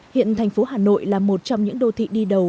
hiện thành phố hà nội là một trong những đô thị đi đầu